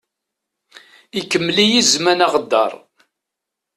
Ikemmel-iyi zman aɣeddaṛ.